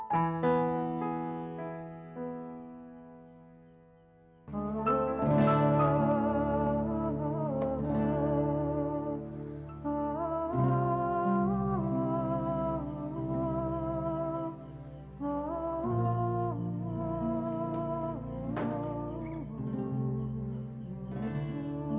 kamu selalu ada dalam hati mas gali